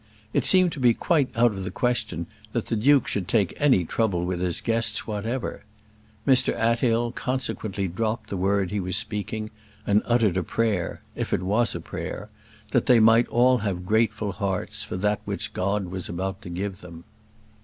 It seemed to be quite out of the question that the duke should take any trouble with his guests whatever. Mr Athill consequently dropped the word he was speaking, and uttered a prayer if it was a prayer that they might all have grateful hearts for that which God was about to give them.